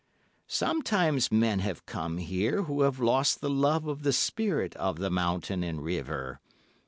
Sometimes men have come here who have lost the love of the spirit of the mountain and river.